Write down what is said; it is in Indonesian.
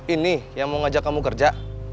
ini yang mau ngajak kamu kerja